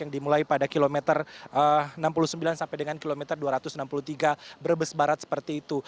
yang dimulai pada kilometer enam puluh sembilan sampai dengan kilometer dua ratus enam puluh tiga brebes barat seperti itu